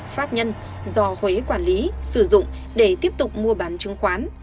pháp nhân do huế quản lý sử dụng để tiếp tục mua bán chứng khoán